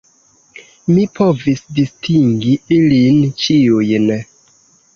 Mi povis distingi ilin ĉiujn.